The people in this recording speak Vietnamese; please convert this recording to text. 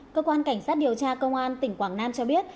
cơ quan cảnh sát điều tra công an tỉnh quảng nam cho biết